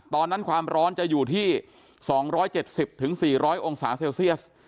ตอนนั้นความร้อนจะอยู่ที่๒๗๐๔๐๐องศาเซลเซียส